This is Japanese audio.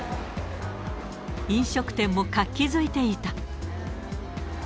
飲食店も活気づいていた。